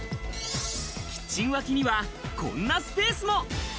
キッチン脇には、こんなスペースも。